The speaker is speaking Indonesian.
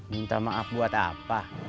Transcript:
minta maaf buat apa